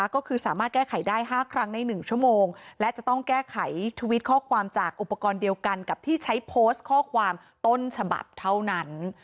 ก็คือสามารถแก้ไขได้๕ครั้งใน๑ชั่วโมงและจะต้องแก้ไขทวิตข้อความจากอุปกรณ์เดียวกันกับที่ใช้โพสต์ข้อความต้นฉบับเท่านั้น